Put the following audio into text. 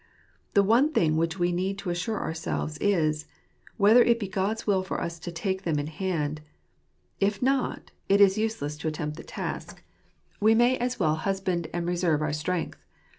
The one thing of which we need to assure ourselves is — whether it be God's will for us to take them in hand: if not, it is useless to attempt the task; we may as well 168 flftc Secret of husband and reserve our strength.